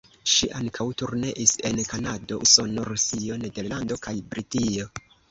Ŝi ankaŭ turneis en Kanado, Usono, Rusio, Nederlando kaj Britio.